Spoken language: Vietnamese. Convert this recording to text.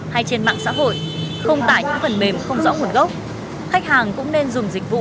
hay trên mạng xã hội không tải những phần mềm không rõ nguồn gốc khách hàng cũng nên dùng dịch vụ